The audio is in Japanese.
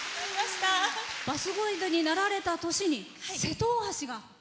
バスガイドになられた年に瀬戸大橋が。